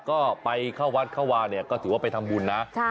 ก็ไปเข้าวัดเข้าวาเนี่ยก็ถือว่าไปทำบุญนะ